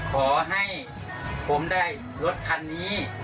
ขอให้ผมได้รถคันนี้